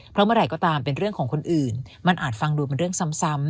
เพราะเมื่อไหร่ก็ตามเป็นเรื่องของคนอื่นมันอาจฟังดูเป็นเรื่องซ้ำ